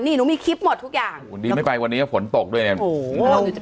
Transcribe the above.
นี่หนูมีคลิปหมดทุกอย่างดีไม่ไปวันนี้จะผลตกด้วยเนี่ย